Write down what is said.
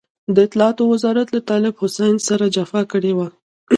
د اطلاعاتو وزارت له طالب حسين سره جفا کړې وه.